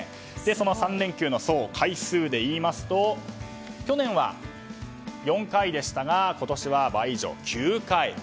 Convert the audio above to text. その３連休の回数でいいますと去年は４回でしたが今年は倍以上の９回。